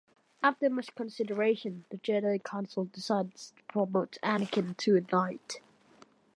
After much consideration, the Jedi Council decides to promote Anakin to a Knight.